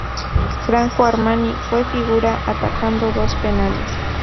Franco Armani fue figura atajando dos penales.